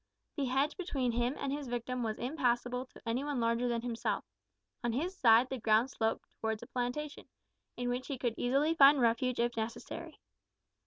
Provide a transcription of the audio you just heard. The hedge between him and his victim was impassable to any one larger than himself; on his side the ground sloped towards a plantation, in which he could easily find refuge if necessary.